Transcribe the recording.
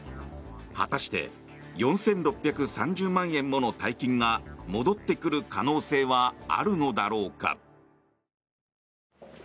果たして４６３０万円もの大金が戻ってくる可能性はあるのだろうか。